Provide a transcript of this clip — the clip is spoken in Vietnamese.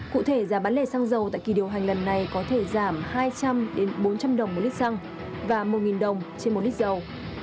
cụ thể giá bán lẻ xăng dầu tại kỳ điều hành lần này có thể giảm hai trăm linh bốn trăm linh đồng một lít xăng và một đồng trên một lít dầu